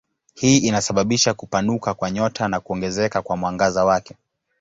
Hii inasababisha kupanuka kwa nyota na kuongezeka kwa mwangaza wake.